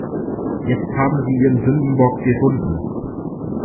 Jetzt haben sie ihren Sündenbock gefunden.